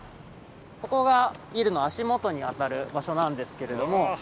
ここがビルの足元にあたる場所なんですけれども。